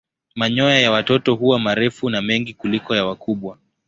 Manyoya ya watoto huwa marefu na mengi kuliko ya wakubwa.